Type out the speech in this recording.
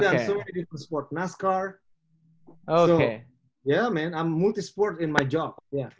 saya juga sudah melakukan sport nascar